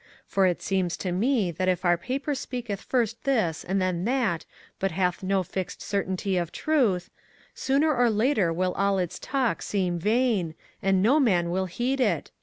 For it seems to me that if our paper speaketh first this and then that but hath no fixed certainty of truth, sooner or later will all its talk seem vain, and no man will heed it.